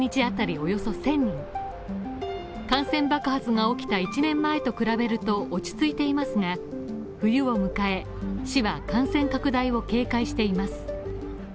およそ１０００人感染爆発が起きた１年前と比べると落ち着いていますが、冬を迎え市は感染拡大を警戒しています。